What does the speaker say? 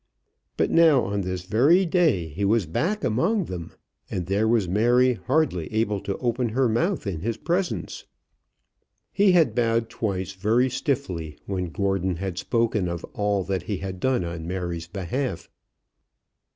But now on this very day he was back among them, and there was Mary hardly able to open her mouth in his presence. He had bowed twice very stiffly when Gordon had spoken of all that he had done on Mary's behalf.